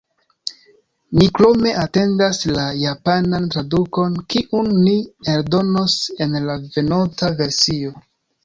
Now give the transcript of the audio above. Ni krome atendas la japanan tradukon, kiun ni eldonos en la venonta versio.